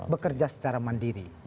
bekerja secara mandiri